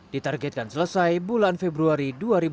ditargetkan selesai bulan februari dua ribu sembilan belas